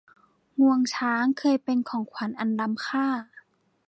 งวงช้างเคยเป็นของขวัญอันล้ำค่า